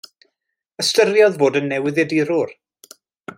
Ystyriodd fod yn newyddiadurwr.